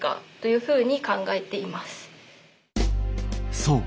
そう。